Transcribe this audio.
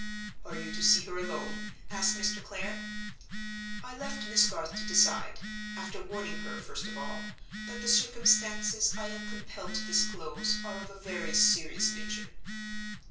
"Are you to see her alone?" asked Mr. Clare. "I left Miss Garth to decide—after warning her, first of all, that the circumstances I am compelled to disclose are of a very serious nature."